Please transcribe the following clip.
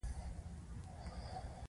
نشه انسان له خود نه اوباسي.